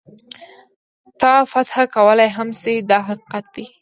تا فتح کولای هم شي دا حقیقت دی.